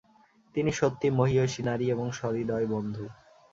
তিনি সত্যি মহীয়সী নারী এবং সহৃদয় বন্ধু।